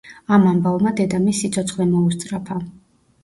ამ ამბავმა დედამისს სიცოცხლე მოუსწრაფა.